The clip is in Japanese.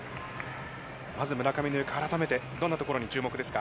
まず、村上のゆか、改めてどんなところに注目ですか。